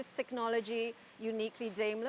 apakah teknologi ini unik dengan daimler